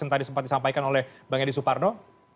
yang tadi sempat disampaikan oleh bang edi suparno